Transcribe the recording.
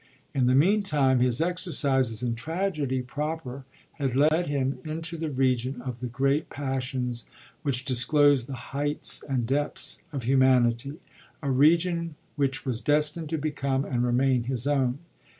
In the meantime his exercises in tragedy proper had led him into the region of the great passions which disclose tibie heights and depths of humanity, a region which was destined to become and remain his own.